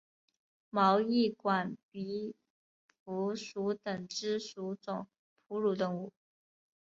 毛翼管鼻蝠属等之数种哺乳动物。